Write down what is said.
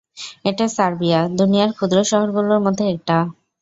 এটা সার্বিয়া, দুনিয়ার ক্ষুদ্র শহরগুলোর মধ্যে একটা!